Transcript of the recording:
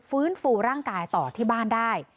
ฟื้นฟูร่างกายต่อที่บ้านได้